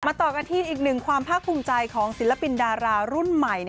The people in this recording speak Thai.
ต่อกันที่อีกหนึ่งความภาคภูมิใจของศิลปินดารารุ่นใหม่